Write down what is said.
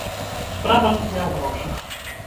Справа тут не ў грошах.